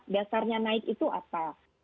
dasarnya naik itu apa